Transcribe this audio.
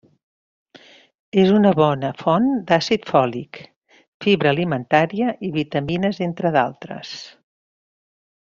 És una bona font d'àcid fòlic, fibra alimentària i vitamines entre d'altres.